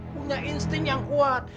punya insting yang kuat